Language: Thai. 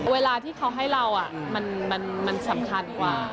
เวลาที่เขาให้เรามันสำคัญกว่า